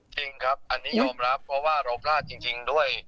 จริงครับอันนี้ยอมรับเพราะว่าเราพลาดจริงด้วย